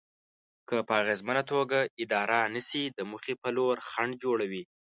که په اغېزمنه توګه اداره نشي د موخې په لور خنډ جوړوي.